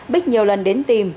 bích nhiều lần đến tìm